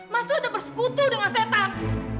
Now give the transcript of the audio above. mas itu udah bersekutu dengan setan